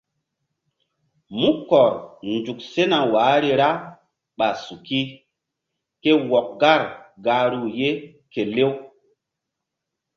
Mu kɔr nzuk sena wahri ra ɓa suki ke wɔk gar gahru ye ke lew.